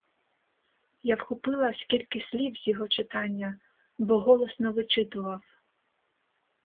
Я вхопила скільки слів з його читання, бо голосно вичитував.